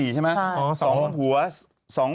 อ๋อ๒๓๔ใช่ไหม